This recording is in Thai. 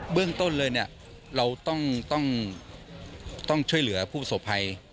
เรื่องต้นเลยเราต้องช่วยเหลือผู้สบภัย